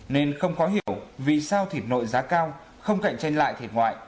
nên không khó hiểu vì sao thịt nội giá cao không cạnh tranh lại thịt ngoại